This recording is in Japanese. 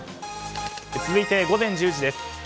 続いて午前１０時です。